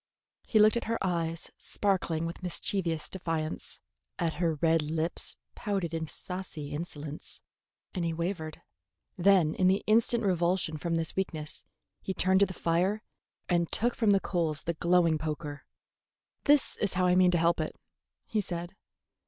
He looked at her eyes sparkling with mischievous defiance, at her red lips pouted in saucy insolence, and he wavered. Then in the instant revulsion from this weakness he turned to the fire and took from the coals the glowing poker. "That is how I mean to help it," he said.